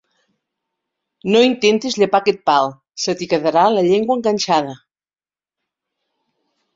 No intentis llepar aquest pal, se t'hi quedarà la llengua enganxada!